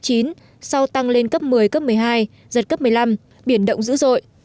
cấp một mươi cấp một mươi hai giật cấp một mươi năm biển động dữ dội